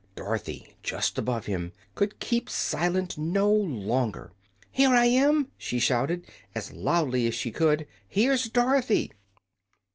Dorothy, just above him, could keep silent no longer. "Here I am!" she shouted, as loudly as she could. "Here's Dorothy!"